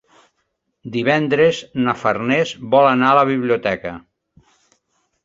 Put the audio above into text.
Divendres na Farners vol anar a la biblioteca.